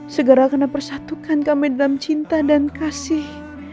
segera karena persatukan kami dalam cinta dan kasih